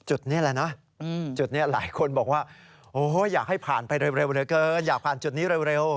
จุดนี้แหละนะหลายคนบอกว่าอยากให้ผ่านไปเร็วเพราะอยากผ่านจุดนี้เร็ว